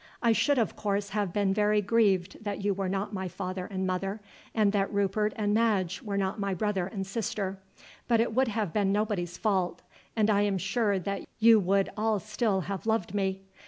I should, of course, have been very grieved that you were not my father and mother, and that Rupert and Madge were not my brother and sister; but it would have been nobody's fault, and I am sure that you would all still have loved me.